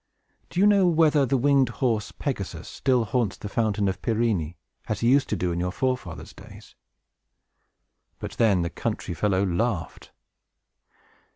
Do you know whether the winged horse Pegasus still haunts the Fountain of Pirene, as he used to do in your forefathers' days?" But then the country fellow laughed.